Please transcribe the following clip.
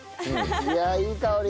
いやいい香り。